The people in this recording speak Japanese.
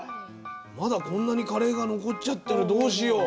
まだこんなにカレーが残っちゃってる、どうしよう。